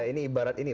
ini ibarat ini